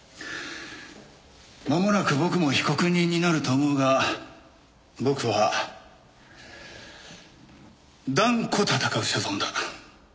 まもなく僕も被告人になると思うが僕は断固闘う所存だ。